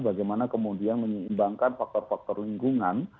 bagaimana kemudian menyeimbangkan faktor faktor lingkungan